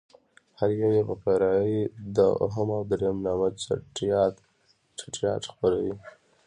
هر يو يې په فرعي دوهم او درېم نامه چټياټ خپروي.